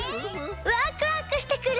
ワクワクしてくる！